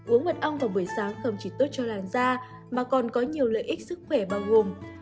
uống mật ong vào buổi sáng không chỉ tốt cho làn da mà còn có nhiều lợi ích sức khỏe bao gồm